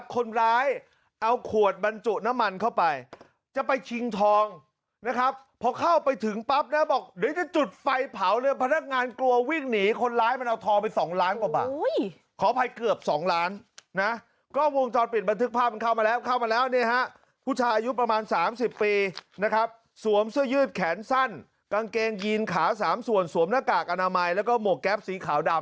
คนร้ายเอาขวดบรรจุน้ำมันเข้าไปจะไปชิงทองนะครับพอเข้าไปถึงปั๊บนะบอกเดี๋ยวจะจุดไฟเผาเลยพนักงานกลัววิ่งหนีคนร้ายมันเอาทองไปสองล้านกว่าบาทขออภัยเกือบสองล้านนะกล้องวงจรปิดบันทึกภาพมันเข้ามาแล้วเข้ามาแล้วเนี่ยฮะผู้ชายอายุประมาณสามสิบปีนะครับสวมเสื้อยืดแขนสั้นกางเกงยีนขาสามส่วนสวมหน้ากากอนามัยแล้วก็หมวกแก๊ปสีขาวดำ